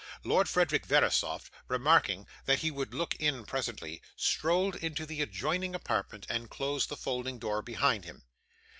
Lord Frederick Verisopht, remarking that he would look in presently, strolled into the adjoining apartment, and closed the folding door behind him.